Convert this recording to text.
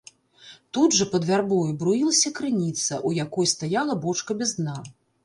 Тут жа пад вярбою бруілася крыніца, у якой стаяла бочка без дна.